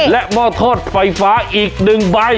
และมอเทาะไฟฟ้าอีก๑ใบ